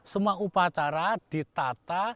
semua upacara ditata